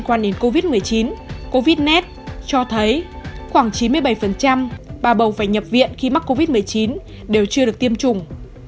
quan đến covid một mươi chín covid cho thấy khoảng chín mươi bảy bà bầu phải nhập viện khi mắc covid một mươi chín đều chưa được tiêm chủng